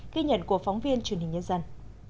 ghi nhận của phóng viên truyền hình nhân dân